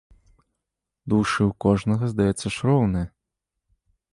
Душы ў кожнага, здаецца ж, роўныя!